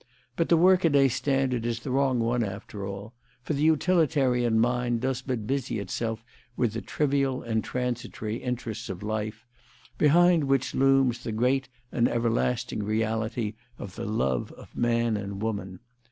But the workaday standard is the wrong one, after all; for the utilitarian mind does but busy itself with the trivial and transitory interests of life, behind which looms the great and everlasting reality of the love of man and woman.